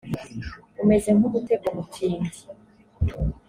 umeze nk umutego mutindi